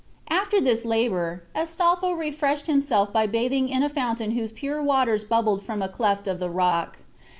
After this labor Astolpho refreshed himself by bathing in a fountain whose pure waters bubbled from a cleft of the rock.